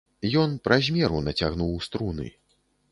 Ён праз меру нацягнуў струны.